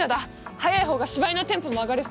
速い方が芝居のテンポも上がる！